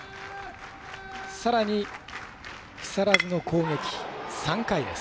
さらに、木更津の攻撃、３回です。